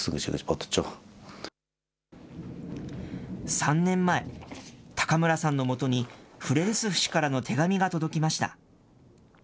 ３年前、高村さんのもとに、フレルスフ氏からの手紙が届きました。